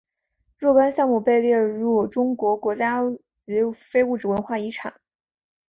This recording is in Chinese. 若干项目被列入中国国家级非物质文化遗产。